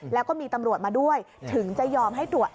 แล้วก็มีตำรวจมาด้วยถึงจะยอมให้ตรวจ